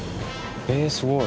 えすごい！